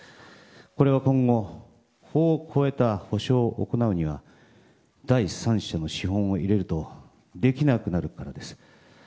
これは今後法を超えた補償を行うには第三者の資本を入れるとできなくなるからです。